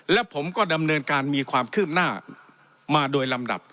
และผมก็ดำเนินการมีความคืบหน้ามาโดยลำดับ